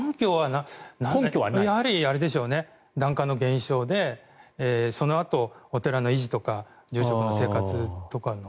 根拠はやはり、檀家の減少でそのあと、お寺の維持とか住職の生活とかの。